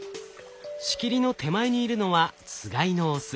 仕切りの手前にいるのはつがいのオス。